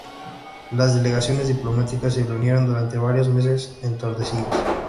Las delegaciones diplomáticas se reunieron durante varios meses en Tordesillas.